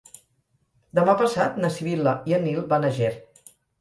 Demà passat na Sibil·la i en Nil van a Ger.